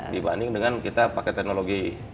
dibanding dengan kita pakai teknologi